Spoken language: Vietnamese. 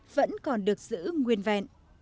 vẫn còn được giữ nguyên vẹn